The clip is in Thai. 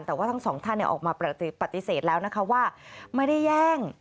แต่ว่าทั้งสองท่านออกมาปฏิเสธแล้วนะคะว่าไม่ได้แย่ง